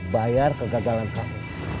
bayar kegagalan kamu